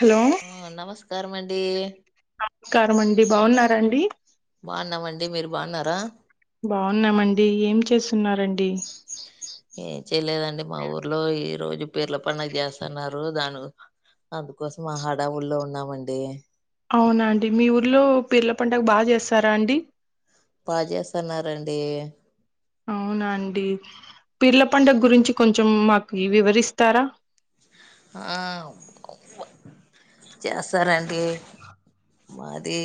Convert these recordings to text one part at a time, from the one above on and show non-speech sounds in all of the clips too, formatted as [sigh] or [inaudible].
Hello ఆ నమస్కారం అండి నమస్కారం అండి బాగున్నారాండి బాన్నామండి మీరు బాన్నారా బాగున్నామండి ఏం చేస్తున్నరండి అదే మా ఊర్లో ఈ రోజు పిర్ల పండగ చేస్తన్నారు దానీ అందుకోసం ఆ హడా విడ్లో ఉన్నామండి అవునాండి మీ ఊర్లో పిర్ల పండగ బాగా చేస్తార అండి బా చేస్తన్నరండి అవునా అండి పీర్ల పండగ గురించి కొంచెం మాకు వివరిస్తారా ఆ చేస్తారండి మాది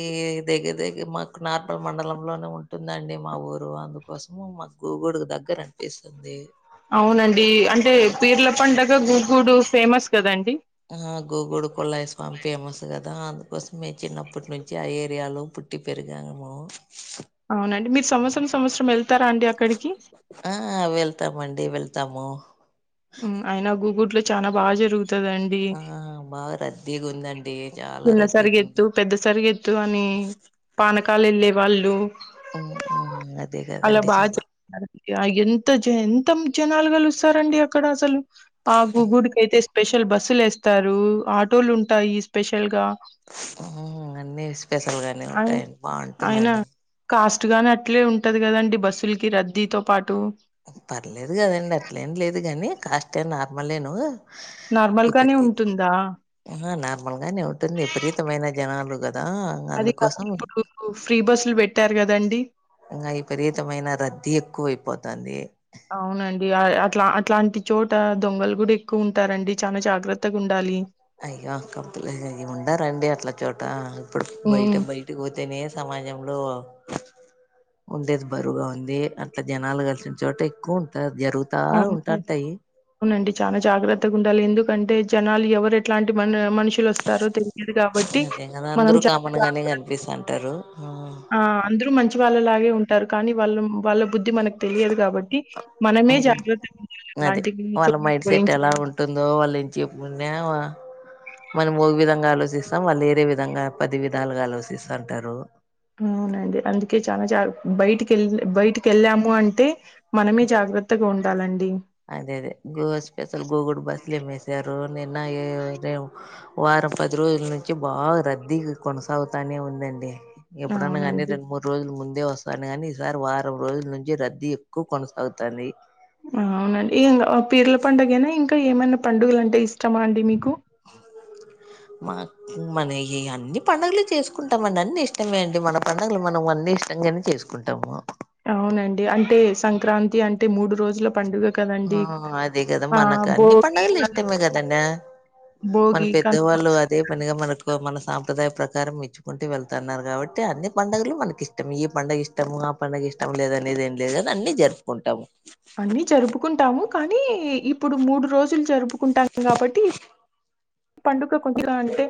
దగ్గర దగ్గర మాకు నార్పల్ మండలంలోనే ఉంటుందండి మా ఊరు అందుకోసం మాకు గూగుడికి దగ్గర అనిపిస్తుంది అవునండి అంటే పీర్ల పండగ గుగూడు ఫేమస్ కదండి ఆ గూగుడు కుళ్ళాయ్ స్వామి ఫేమస్ కదా దానికోసమే చిన్నప్పటి నుంచి అ ఏరియాలో పుట్టిపెరిగాము అవునండి మీరు సంవత్సరం సంవత్సరం వెళ్తారా అండి అక్కడికి ఆ వెళ్తామండి వెళ్తాము హుమ్ అయిన గూగుట్ లో చానా బాగా జరుగుతుంది ఆ బాగా రద్దీగా ఉందండి చాలా రద్దీగా ఉంది హుమ్ పానకలేల్లే వాళ్ళు ఉమ్, ఉమ్, అదే అలా కదండి బాగ చాలా చేస్తారండి ఎంత జన్ ఎంత మొత్తం జనాలు కలుస్తరండి అక్కడ అసలు ఆ గూగుడికియితే స్పెషల్ బస్సులు వేస్తారు ఆటోలు ఉంటాయి స్పెషల్ గా హుమ్ అన్ని స్పెషల్ గానే ఉంటాయండి బాగుంటుందండి స్ట్రీట్ అట్లే ఉంటది కదండి బస్సులకి రద్దీతో పాటు పర్లేదు కదండి అట్లేం లేదు గాని కాస్ట్ ఏం నార్మలేను నార్మల్‌గానే ఉంటుందా? ఆ నార్మల్ గానే ఉంటుంది విపరీతమైన జనాలు కద్ అది కాక ఇప్పుడు ఫ్రీ బస్సులు పెట్టారు కదండి ఇంకా విపరీతమైన రద్దీ ఎక్కువ అయిపోతంది అవునండి అట్లా అట్లాంటి చోట దొంగలు కూడా ఎక్కువ ఉంటారండి చానా జాగ్రత్తగా ఉండాలి అయ్యో అకాంతులే ఏం ఉండారంండి అట్ల చోట ఇప్పుడు బయట హ్మ్. బయటికి పోతేనే సమాజంలో ఉండేది బరువుగా ఉంది అట్లా జనాలు కలిసిన చోట ఎక్కువ ఉంటారు జరుగుతా అ ఉంటాంటాయి అవునండి చానా జాగ్రత్తగా ఉండాలి ఎందుకంటే జనాలు ఎవరు ఎట్లాంటి మన మనుషులు వస్తారో తెలి అదే కదా అందరుూ కామన్ గానే కనిపిస్తుంటారు ఆ అందరూ మంచి వాళ్ళలాగే ఉంటారు కానీ వాళ్ళు వాళ్ళ బుద్ధి మనకు తెలియదు కాబట్టి మనమే జాగ్రత్తగా ఉండాలి అలాంటి [unintelligible] ఉందో వాళ్ళుంచి ముందేవా మనం ఒక విధంగా ఆలోచిస్తాం వాళ్ళు వేరే విధంగా పది విధాలుగా ఆలోచిస్తాంటారు అవునండి అందుకే చాలా జ బయటికి ఎళ్ళ్ బయటికి ఎళ్ళాము అంటే మనమే జాగ్రత్తగా ఉండాలండి అదే అదే గో స్పెషల్ గోగుడు బస్ స్లేమో ఎసారు నిన్న వారం పది రోజుల నుంచి బాగా రద్దీ కొన సాగుతానే ఉందండి ఎప్పుడన్నా కానీ అవునండి. రెండు మూడు రోజుల ముందే వ స్తాంది కాని ఈసారి వారం రోజుల నుంచి రద్దీ ఎక్కువ కొనసాగుతాంది అవునండి ఇంగ పీర్ల పండగేనా ఇంకా ఏమైనా పండుగలు అంటే ఇష్టమాండి మీకు అ మా మనయి అన్ని పండగలు చేసుకుంటామండి అన్ని ఇష్టమే అండి మన పండగలు మనం అన్నీ ఇ ష్టంగానే చేసుకుంటాము అవునండి అంటే సంక్రాంతి అంటే మూడు రోజుల పండుగ ఆ కదండీ! అదే కదా ఆ! మనకు అన్ని భోగి, పండగలు కను ఇష్టమే కదండ మన భోగి, కనుమ పెద్దవాళ్ళు అదే పనిగా మనకు మన సాంప్రదాయ ప్రకారం ఇచ్చుకుంటూ వెళ్తున్నారు కాబట్టి అన్ని పండగలు మనకి ఇష్టమే ఈ పండగ ఇష్టము ఆ పండగ ఇష్టం లేదనేది ఏం లేదు గాని అన్ని జరుపుకుంటాము అన్నీ జరుపుకుంటాము. కానీ ఇప్పుడు మూడు రోజులు జరుపుకుంటాం కాబట్టి పండుగ కొద్దిగా అంటే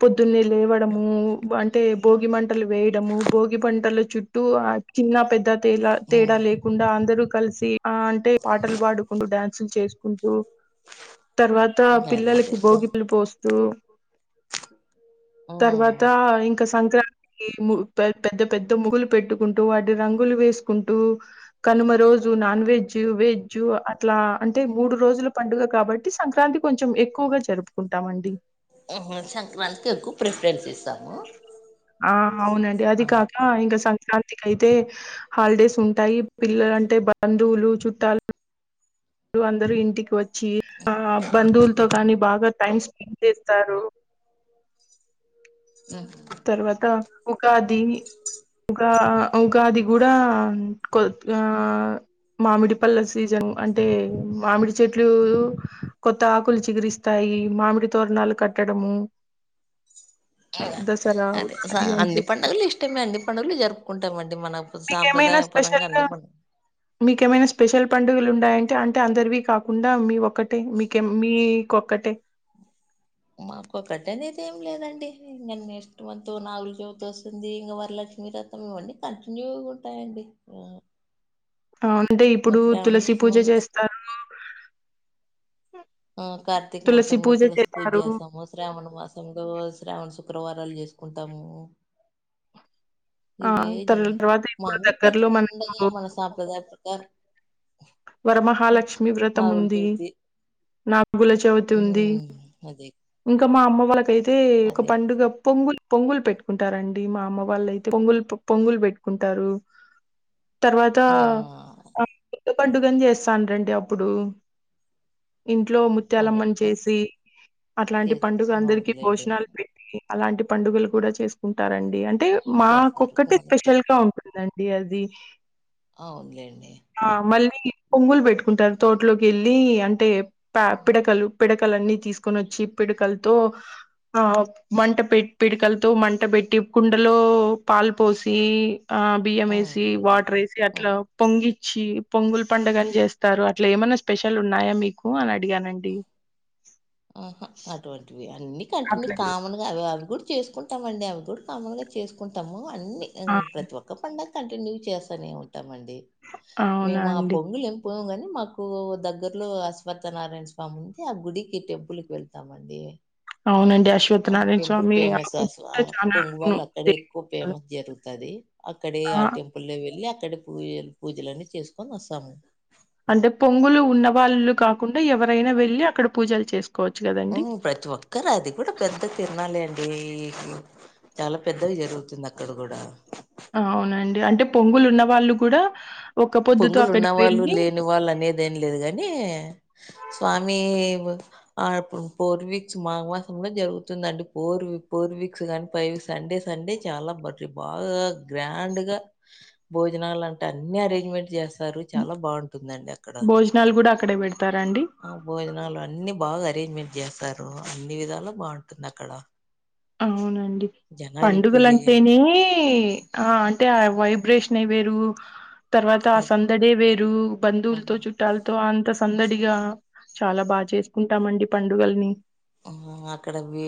పొద్దున్నే లేవడము అంటే భోగి మంటలు వేయడము భోగి పంటల చుట్టూ చిన్న పెద్ద తేలా తేడా లేకుండా అందరుూ కలిసి ఆ అంటే పాటలు పాడుకుంటూ డ్యాన్సులు చేసుకుంటూ తర్వాత ఇంకా అదే అదే పిల్లలకి భోగి స్తూ తర్వాత ఇంకా సంక్రాంతి ఏమో పె పెద్ద పెద్ద ముగ్గులు పెట్టుకుంటూ వాటి రంగులు వేసుకుంటూ కనుమ రో జు నాన్ వెజ్జు వెజ్జు అట్లా అంటే మూడు రోజులు పండుగ కాబట్టి సంక్రాంతి కొంచెం ఎక్కువ గా జరుపు ఆహా సంక్రాంతికి ఎక్కువ ప్రిఫరెన్స్ ఇస్తాము ఆ అవునండి అది అదే కాక ఇంకా సం క్రాంతికి అయితే హాలిడేస్ ఉంటాయి పిల్లలంటే బంధువులు చుట్టాలు అందరుూ ఇంటికి వచ్చి ఆ బంధువులతో కానీ బాగా టైమ్ ఏం చేస్తారు ఉమ్ తర్వాత ఉగాది ఉగా ఉగాది కూడా కొద్గా మామిడి పళ్ళ సీజన్ అంటే మామిడి చెట్లు కొత్త ఆకులు చిగురిస్తాయి. ఈ మామిడి తోరనాలు కట్టడము. ఇగ దసరా అదే ఉగాది అంటూ అన్ని పండుగలు ఇష్టమే అండి. పండుగలు జరుపుకుంటామండి మన మీకేమైనా సాంప్రదాయ పరంగా స్పెషల్ గా అన్ని పం మీకేమైనా స్పెషల్ పండుగలు ఉన్నాయంటే అంటే అందరివి కాకుండా మీవి ఒక్కటే మీకు మీకొక్కటే మాకు ఒకటి అనేది ఏం లేదండి ఇంగా నెక్స్ట్ మంతు నాగుల చవితి వస్తుంది ఇంగ వరల లక్ష్మీ రతం ఇవ్వన్ని కంటిన్యూగ ఉంటాయండి ఆ అంటే ఇప్పుడు తులసి పూజ అంతా పూ- చేస్తారును ఆ కార్తిక మాసంలో పూజ తులసిపూజ చేస్తారు చేస్తాము శ్రావణ మాసం లో శ్రావణ సు శుక్రవారాలు చేసుకుంటాము. ఆ ఇవేజ తర్- తర్వాత ఇప్పుడు మామూలుగా ప్రతి దగ్గరలో పండగ మనకు మన సాంప్రదాయం ప్రకారం వరమహాలక్ష్మి వ్రతం నాగుల ఉంది, చవితి నా గుల చవితి ఉంది ఉమ్ అదే ఇంకా మా అమ్మ వాళ్ళకైతే ఒక అదే పండుగ పొంగులు పొంగులు పెట్టుకుంటారండి. మా అమ్మ వాళ్ళయితే పొంగులు పొంగులు పెట్టుకుంటారు. తర్వాత ఆ పండుగని చేస్తాంటాటి అప్పుడు. ఇంట్లో అదే ముత్యాలమ్మనీ చేసి అట్లాంటి చేస్ పండుగ అందరికి అవునులేండి భోజనాలు పెట్టి అలాంటి పండుగలు కూడా చేసుకుంటారండి అంటే చేస్తారు మాకొక్కటి మనకి స్పెషల్గా ఉంటుం ది అండి అది. అవునులేండి. ఆ మళ్ళీ పొంగులు పెట్టుకుంటారు. తోటలోకి వెళ్ళి అంటే పె పిడకలు పిడకలన్నీ తీసు కొనివచ్చి పిడుకలతో ఆ మంట పె పిడకలతో మంట పెట్టి, కుండలో పాలు పోసి ఆ బియ్యం ఏసి, అవునులేండి వాటర్ ఏసి ఆ అట్లా పొంగిచ్చి పొంగుల్ పండుగ అని చేస్తారు అట్లా ఏమైన్నా స్పెషల్ ఉన్నాయా మీకు అని అడిగానండి. అన్ని కంటిన్యూ అట్లే కామన్ గా అవి అవి కూడా చేసుకుంటాం అండి, అవి కూడా కామన్గా చేసుకుం టము అన్ని ఆ ప్రతి ఒక్క పండగ కంటిన్యూ చేస్తనే ఉంటమం డి అవునా మేం ఆ అండి పొంగుల్ ఎం కోము కాని మాకు దగ్గరలో అశ్వథనారాయణ స్వామి ఉంది ఆ గుడికి టెం పులికి వెళ్తామండి. అవునండి ఆ అశ్వత్థనారాయణ టెంపుల్ స్వామి ఆ ఫేమస్ గుడి అస్వా కూడా చాలా అవును పొంగువాల్ అక్కడే ఎక్కువ దేవస్థానం. ఫేమస్ జరుగుతది. అక్కడ అక్కడే ఆ టెంపుల్లో వెళ్ళి అక్కడ పూజలు పూజలన్ని చేసుకొని వస్తాము. అంటే పొంగులు ఉన్న వాళ్ళు కాకుండా ఎవరైనా వెళ్ళి అక్కడ పూజలు చేస్ ప్రతి ఒక్కరు అది కూడా పెద్ద తిర్నాల్లే అండి. చాలా పెద్దగ జరుగుతుంది అక్కడ కూడా. అవునండి అంటే పొంగులు ఉన్న వాళ్ళు కూడా ఒక్క పొద్దుతో పొంగులు అక్కడికి ఉన్నవాళ్ళు వెళ్ళి లేని వాళ్ళు అనేదెం లేదుకాని. స్వామి ఆ పూర్వీక్స్ మాఘమాసంలో జరుగుతుందండి పూర్వీ ఫోర్ వీక్స్ కానీ ఫైవ్ వీక్స్. సండే సండే చాలా బర్జ్ బాగా గ్రాండ్గా భోజనాలు అంట అన్ని అరేంజ్మెంట్స్ చేస్తారు చాలా బావుం టుందండి అక్కడ, భోజనాలు కూడా అక్కడే పెడతారండి ఆ భోజనాలు అన్ని బాగా అరేంజ్మెంట్ చేస్తారు. అన్ని విధాలా బావుంటుంది అక్కడ. అవునండి జనాలు ఇప్పుడు పండుగలంటేనే ఆ అంటే ఆ వైబ్రేషనే వేరు. తర్వాత ఆ సందడే వేరూ అది బంధువులతో చుట్టాలతో అంత సందడిగా చాలా బా చేసుకుంటామండి పండుగల్ని ఆ అక్కడ వే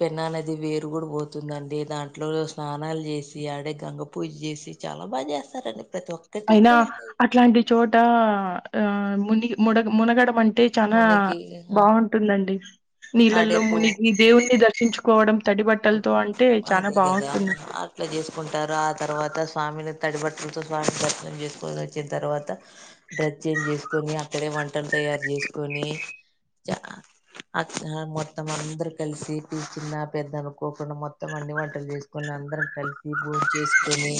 పెన్నా నది వేరు గూడ పోతుందండి దాంట్లో స్నానాల్జేసి ఆడే గంగ పూజ్జేసి చా ల బాగ జేస్తారండి అయినా అట్లాంటి చోటా ఆ మునిగి ముడగ మునగడంటే టే చనా మునకి బావుంటుందండి నీళ్ళల్లో ఆడేపు మునిగి దేవుణ్ణి దర్శించుకోవడం తడి బట్టలతో అంటే చానా అదే గదా బావుంటుందండి అట్లజేసుకుంటారా తర్వాత స్వామిని తడి బట్టలతో స్వామిని దర్శనం జేసుకోనొచ్చిన్ తర్వాత డ్రస్ చేంజేసుకొని అక్కడే వంటలు తయారు జెసుకొనీ అక్కడ మొత్తం అందరం కలిసి చిన్న పెద్దలు పోకుండా మొత్తం అన్ని వంటలు జేసుకొనందరం కలిసి భోంచేసుకొని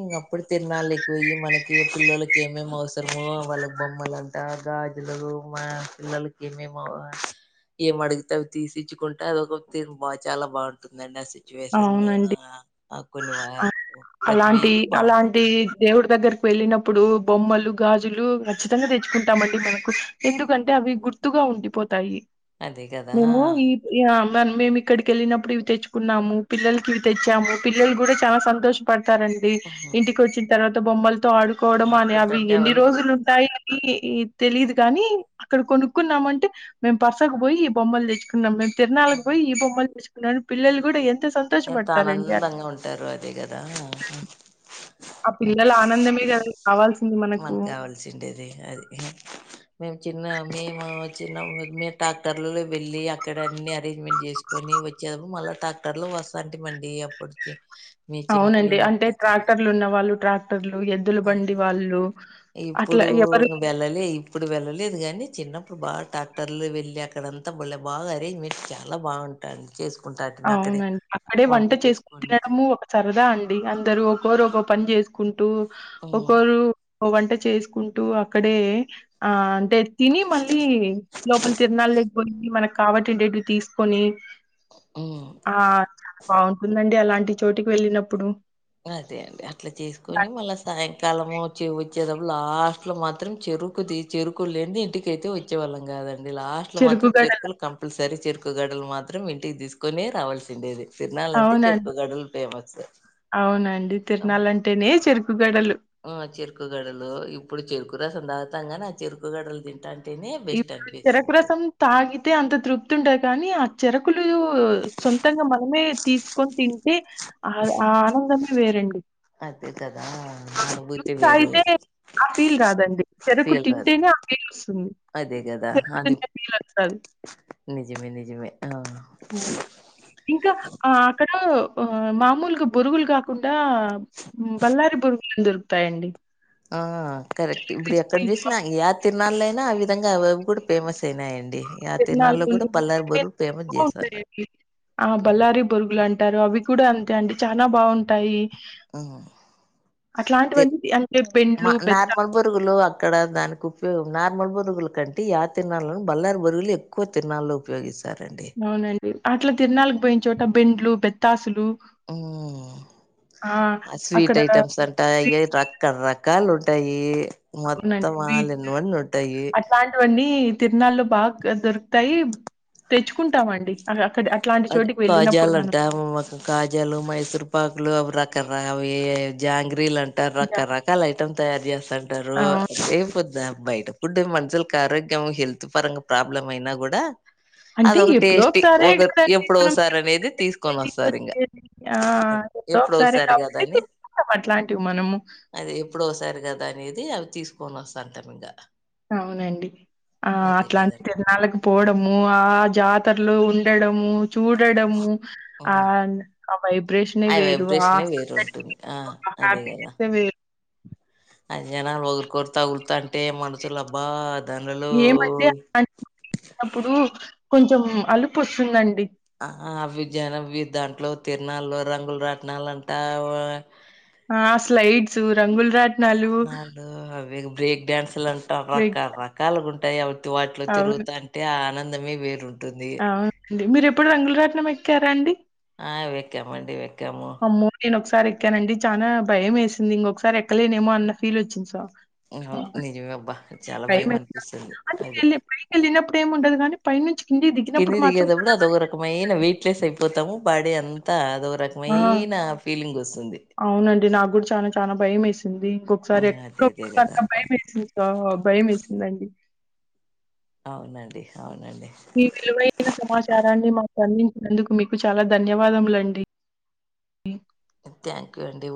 ఇంగప్పుడు తిర్నాల్లకి పోయ్యి మనకి పిల్లలోకి ఏమేం అవసరమో వాళ్ళక్ బొమ్మలంట గాజులూ మా పిల్లలుకి ఏమేమస్ ఏమడిగితే అవి తీసిచ్చుకుంటా అదొక తీరు బా చాలా బావుంటుందండి అ సి చువేషన్లోనా అవునండి అ కొన్ని వ ఆ, ప్రతి అలాంటి వీక్ బావుంటుంది అలాంటి దేవుడి దగ్గరకి వెళ్ళినప్పుడు బొమ్మలు గాజులు ఖచ్చితంగ దెచ్చుకుంటామండి మనకు ఎందుకంటే అ వి గుర్తుగా ఉండిపోతాయి అదే కదా మేమూ ఈ ఆ మేమిక్కడికెళ్ళినప్పుడు ఇవి తెచ్చుకున్నాము పిల్లలకివి తెచ్చాము పిల్లలు గూడా చానా సంతోష పడతారండి ఇంటికొచ్చిన తర్వాత బొమ్మలు తో ఆడుకోవడం అని అవి ఆడుకుంటంటే ఎన్ని ఎన్ని అవన్నీ రోజులుంటాయి ఈ తెలీదు గానీ అక్కడ కొనుక్కున్నామంటే మేం పర్సకు బోయి బొమ్మల్ దెచ్చుకున్నాం మేము తిరునాళ్లకు బోయ్ ఈ బొమ్మలు తెచ్చుకున్నాని పిల్లలు గూడ ఏ ఎంత ఆనందంగ ఉంటారు అదే గదా ఆ పిల్లల ఆనందం గద కావాల్సి మనక్ గావల్సిండేది అది మేము చిన్న మేము చిన్నప్పుడు మేం ట్రాక్టర్లు వెళ్ళి అక్కడ అన్ని అరేంజ్మెంట్ జేసుకొని వచ్చారు మళ్ళ టాక్టర్లు అస్సంటి మళ్ళీ ఎప్పుడు చే అవునండి అంటే ట్రాక్టర్లున్నవాళ్ళు ట్రాక్ట ర్లు ఎద్దుల బండి వాళ్ళు అట్ల ఇప్పుడు ఎవ్వరు వెళ్ళలే ఇప్పుడు వెళ్ళలేదు గాని చిన్నప్పుడు బాగ టాక్టర్లు వెళ్ళ అక్కడంత భలే బాగ అరేంజ్మెంట్ చాలా బాగు టన్ చేస్ అవునండి అక్కడే వంట చేసుకుని చేసుకొని తినడము ఒక సరదా అండి అందరూ ఒకోరు ఒకో పన్జేసు కుంటూ ఉమ్ ఒకరు వంట చేసుకుంటూ అక్కడే ఆ అంటె తిని మళ్ళీ లోపల తిరనాల్లక్ పొయ్యి మనకు కాబట్టేటియి తీసుకొని ఉమ్ ఆ చాలా బావుంటుందండి అలాంటి చోటికి వెళ్ళినప్పుడు అదే అండి అట్ల జేసుకొని మళ్ళ సాయంకాలమూ చె వచ్చే లాస్ట్లో మాత్రం చెరుకుది చెరుకు లేన్ది ఇంటికైతే వచ్చేవాళ్ళంగాదు లాస్ట్ లో చెరుకు మాత్రం గడలు చెరుకులు కంపల్సరి చెరుకు గడలు మాత్రం ఇంటికి దీసుకొనే రావాల్సిండేది తిరునాళ్లంటే అవునండి. చెరుకు గడులు ఫేమస్ కం తిరునాళ్లంటేనే చెరుకు గడలు ఆ చెరుకు గడలూ ఇప్పుడు చెరుకు రసం తాగుతంగని ఆ చెరుకు గడలు దింటా ఇప్పుడు చెరకు రసం తాగితే అంత తృప్తుంటది కానీ ఆ చెరు కులూ సొంతంగ మనమే తీసుకొన్ తింటే ఆ ఆ ఆనందమే వేరండి అదే కదా మనం [unintelligible] జ్యూస్ తాగితే ఆ ఫీల్ రాదండి చెరకు ఫీల్ రాదు. తింటేనే ఆ ఫీల్ వస్తుంది అదే కదా అది నిజమే నిజమే ఆ! ఇంకా ఆ అక్కడ మామూలుగా బోరుగులు కాకుండా బల్లారి బొరుగులు అని దొరుకుతాయండి ఆ కరెక్ట్ ఇప్పుడు ఎక్కడ క్రిస్పీగా చూసిన యా తిర్నాళయినా ఆ విధంగా అవవి కూడా ఫేమస్ అయినాయండి యా తిరునాల్లో కూడా బల్లారి బొరుగులు ఫేమస్ చేశారు ఆ బల్లారి బరుగులు లాం టారు అవి కూడా అంతే అండి చాలా బావుంటాయి హ్మ్ అట్లాంటివన్నీ అంటే బెండ్లు, మా బెత్తాలు నార్మల్ బురుగులు అక్కడ దానికి ఉపయో నార్మల్ బురుగుల కంటే యా తిరునాళ్ బలారీ బురుగులు ఎక్కువ తిర్నాలలో ఉపయోగిస్తా అవునండి అట్లా తిరనాలకు పోయినచోట బెండ్లు బెత్తాసులు ఆ స్వీట్ అక్కడ ఐటమ్స్ అంటా అయ స్వీట్స్ రక్క రక్ కాలు ఉంటాయి అవునండి. మొత్తం ఆల్ స్వీట్స్ ఇన్ వన్ ఉంటాయి తిరునాల్లో బాగా దొరుకుతాయి తెచ్చుకుంటామండి అలా అది కాజాల అంటే కాజాలు మైసూర్పాకులు అవి రకరవి జాంగ్రీలు అంటా యాహ్! రకరకాల ఐటమ్ తయారు చేస్తంటారు ఆ! అయి పోద్ద్ బయట గుండె మనుషులకి ఆరోగ్యం హెల్త్ పరంగా ప్రాబ్లం అయినా కూడా అంటే అదొక ఎప్పుడో టేస్టీ ఒకసారే ఒక కదండీ ఎప్పుడు మనం ఒకసారి అనేది తీసుకొని తినేది, వస్తారు ఇంగ వచ్చేది. ఆ! అదే ఎప్పుడో ఒకసారే ఒకసారి కాబట్టి కదా అని తెచ్చుకుంటాం అట్లాంటివి మనము. అది ఎప్పుడో ఒకసారి కదా అనేది అవి తీసుకొని వస్తంటాం ఇంకా అవునండి ఆ అట్లాంటి కదండి తిర్ణాలకు పోవడము ఆ జాతరలో ఉ [unintelligible] చూడడము ఆ ఉహు వైబ్రేషనే ఆ వేరు. ఆ వైబ్రేషనే వేరు సందడికి ఉంటుంది ఆ ఒక అదే కదా హ్యాపీనెస్సే వేరు. అ జనాలు వగురుకర్తా ఉరుకుతాంటే మనసులోబ్బా ఏమంటే అప్పుడు కొంచెం అలుపు వస్తుందండి ఆ అవి జనం దాంట్లో తిరనాల్లో రంగులు రాట్నాలు అంటా ఆ స్లైడ్స్ రంగుల్ రాట్ అన్నాళ్ళలు అవి బ్రేక్ డాన్స్ లు అంటా వె రకరకాలుగా ఉంటాయి అవి వాటిలో అవును. తిరుగుతాంటే ఆనందమే వేరు అవునండి మీరు ఎప్పుడు రంగులరాట్నం ఎక్కారా అండి ఆ అవెక్కావండి వే అమ్మో నేను ఒకసారి ఎక్కానండి చానా భయం వేసింది ఇంకొకసారి ఎక్కలేనేమో అన్న ఫీల్ వచ్చింది స నిజమే అబ్బా చాలా భయం ఎట్లా? అనిపిస్తుంది అంటే అదే వెళ్ళి పైకెళ్ళినప్పుడు ఏముండదు గానీ, పైనుంచి దిగినప్పుడు కిందికి మాత్రం దిగేటప్పుడు చాలా అదొ ఒక భయమేసింది. రకమైన వెయిట్ లెస్ అయిపోతాము బాడీ అంతా అదొక ఆ! రకమైన ఫీలింగ్ వస్తుంది అవునండి నాకు కూడా చానా చానా భయం వేసింది ఇంకొకసారి అదే అదే ఎక్కకూడదు కదా అన్న భయం వేసింది భయం వేసింది దండి అవునండి అవును మీ విలువైన సమాచారాన్ని మాకు అన్ని అందుకు మీకు చాలా ధన్యవాదములండి థ్యాంక్యూ అండి వద్